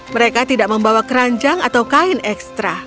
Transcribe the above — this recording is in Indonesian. mereka tidak membawa keranjang atau kain ekstra